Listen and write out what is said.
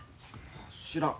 知らん。